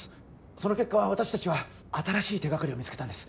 その結果私達は新しい手がかりを見つけたんです